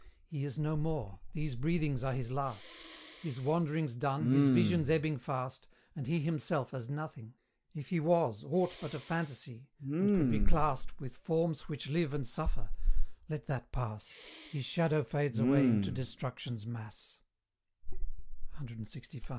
He is no more these breathings are his last; His wanderings done, his visions ebbing fast, And he himself as nothing: if he was Aught but a phantasy, and could be classed With forms which live and suffer let that pass His shadow fades away into Destruction's mass, CLXV.